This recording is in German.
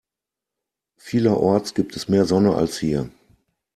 Vielerorts gibt es mehr Sonne als hier.